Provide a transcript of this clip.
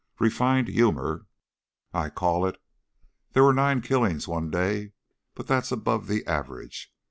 Refined humor, I call it.... There were nine killings one day, but that's above the average.